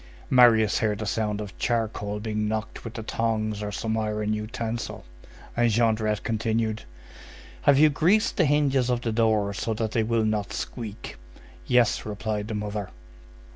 Marius heard a sound of charcoal being knocked with the tongs or some iron utensil, and Jondrette continued:— "Have you greased the hinges of the door so that they will not squeak?" "Yes," replied the mother.